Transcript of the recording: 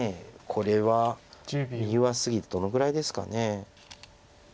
これは右上隅どのぐらいですかね。